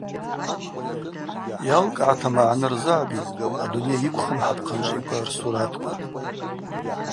Йалкӏгӏата, магӏны рзыгӏбитӏ адуней йыквхым хӏапхъанчӏвиква рсуратква.